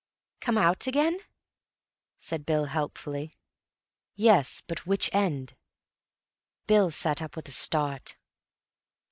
"Come out again," said Bill helpfully. "Yes; but which end?" Bill sat up with a start.